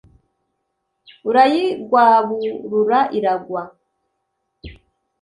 urayigwaburura iragwa.